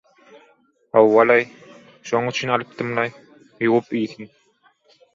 – Hawa-laý, şoň üçin alypdym-laý. Ýuwup iýsin.